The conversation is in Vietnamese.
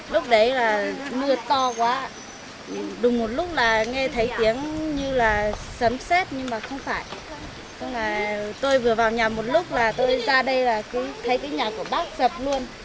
vào nhà một lúc là tôi ra đây là cứ thấy cái nhà của bác sập luôn